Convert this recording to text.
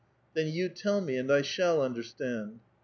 "Then you tell me, and I shall understand."